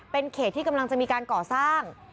เป็นเขตที่กำลังจะมีการก่อสร้าง